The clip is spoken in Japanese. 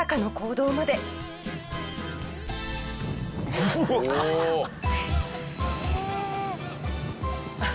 うわっ！